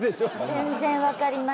全然分かります。